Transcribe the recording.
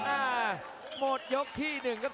อ่าหมดยกที่๑ครับ